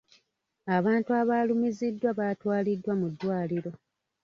Abantu abaalumiziddwa baatwaliddwa mu ddwaliro.